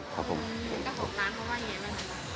ครับผมร้านเขาว่าอย่างไร